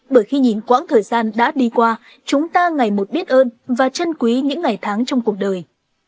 bởi khi nhìn quãng thời gian đã đi qua chúng ta ngày một biết ơn và chân quý những ngày tháng trong cuộc đời